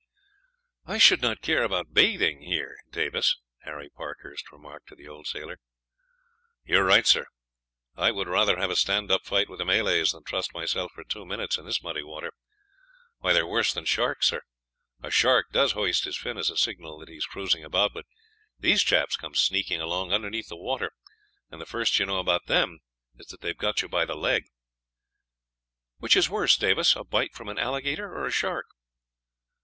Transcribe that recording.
"I should not care about bathing here, Davis," Harry Parkhurst remarked to the old sailor. "You are right, sir; I would rather have a stand up fight with the Malays than trust myself for two minutes in this muddy water. Why, they are worse than sharks, sir; a shark does hoist his fin as a signal that he is cruising about, but these chaps come sneaking along underneath the water, and the first you know about them is that they have got you by the leg." "Which is the worse, Davis, a bite from an alligator or a shark?"